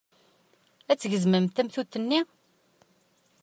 Ad d-gezmemt tamtunt-nni?